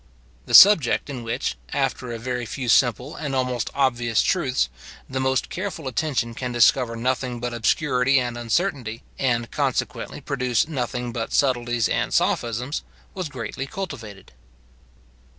The subject in which, after a very few simple and almost obvious truths, the most careful attention can discover nothing but obscurity and uncertainty, and can consequently produce nothing but subtleties and sophisms, was greatly cultivated.